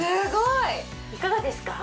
いかがですか？